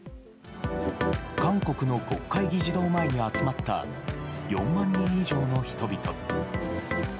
韓国の国会議事堂前に集まった４万人以上の人々。